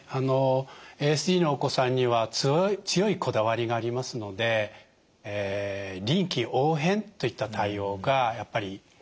ＡＳＤのお子さんには強いこだわりがありますので臨機応変といった対応がやっぱり苦手なんですね。